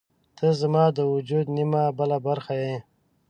• ته زما د وجود نیمه بله برخه یې.